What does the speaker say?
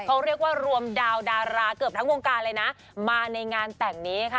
เขาเรียกว่ารวมดาวดาราเกือบทั้งวงการเลยนะมาในงานแต่งนี้ค่ะ